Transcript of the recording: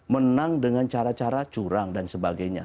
menang dengan cara cara curang dan sebagainya